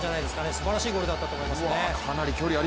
すばらしいゴールだったと思いますね。